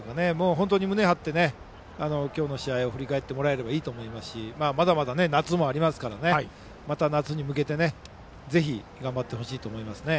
本当に胸を張って、今日の試合を振り返ってもらえばいいと思いますしまだまだ夏もありますからまた夏に向けてぜひ、頑張ってほしいと思います。